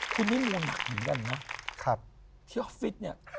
คุณนี่รวมเหมือนกันนะที่ออฟฟิศเนี่ย